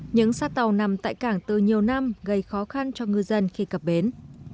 những xác tàu nằm tại cảng từ nhiều năm gây khó khăn cho ngư dân khi cập bến